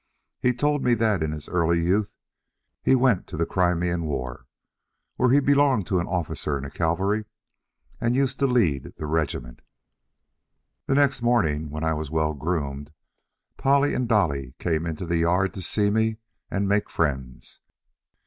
He told me that in his early youth he went to the Crimean War; he belonged to an officer in the cavalry, and used to lead the regiment. The next morning, when I was well groomed, Polly and Dolly came into the yard to see me and make friends.